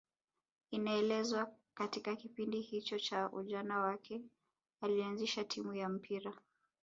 Inaelezwa katika kipindi hicho cha ujana wake alianzisha timu ya mpira